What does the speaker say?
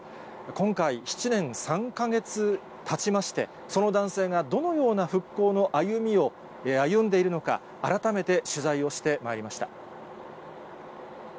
今回、７年３か月たちまして、その男性がどのような復興の歩みを歩んでいるのか、改めて取材をしてまいりました。